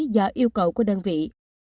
đó là yêu cầu của đơn vị